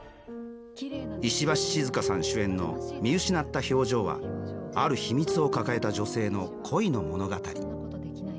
石橋静河さん主演の「見失った表情」はある秘密を抱えた女性の恋の物語。